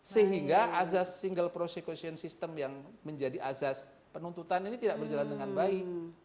sehingga azas single prosecution system yang menjadi azas penuntutan ini tidak berjalan dengan baik